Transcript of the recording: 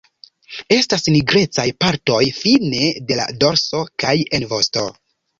Estas nigrecaj partoj fine de la dorso kaj en vosto.